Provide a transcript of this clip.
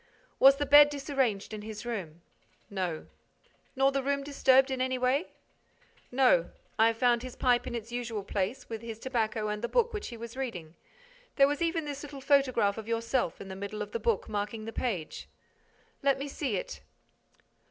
"Was the bed disarranged in his room?" "No." "Nor the room disturbed in any way?" "No. I found his pipe in its usual place, with his tobacco and the book which he was reading. There was even this little photograph of yourself in the middle of the book, marking the page." "Let me see it."